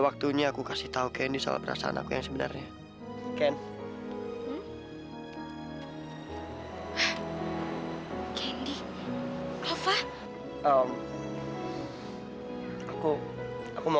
waktunya aku kasih tahu ke ini soal perasaan aku yang sebenarnya ken